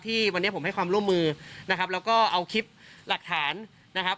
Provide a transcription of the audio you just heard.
ที่วันนี้ผมให้ความร่วมมือนะครับแล้วก็เอาคลิปหลักฐานนะครับ